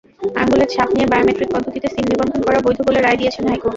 আঙুলের ছাপ নিয়ে বায়োমেট্রিক পদ্ধতিতে সিম নিবন্ধন করা বৈধ বলে রায় দিয়েছেন হাইকোর্ট।